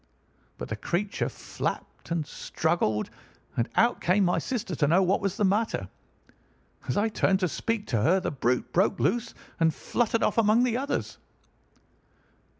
But the creature flapped and struggled, and out came my sister to know what was the matter. As I turned to speak to her the brute broke loose and fluttered off among the others.